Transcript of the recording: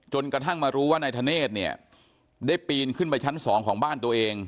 กระทั่งมารู้ว่านายธเนธเนี่ยได้ปีนขึ้นไปชั้น๒ของบ้านตัวเอง